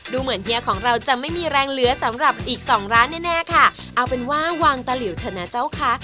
ดูเหมือนเฮียของเราจะไม่มีแรงเหลือสำหรับอีกสองร้านแน่แน่ค่ะเอาเป็นว่าวางตะหลิวเถอะนะเจ้าคะ